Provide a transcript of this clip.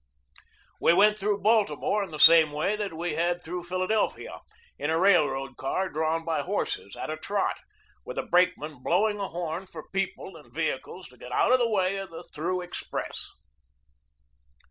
We went through Baltimore in the same way that we had through Philadelphia, in a railroad car drawn by horses at a trot, with a brakeman blowing a horn for people and vehicles to get out of the way of the through express.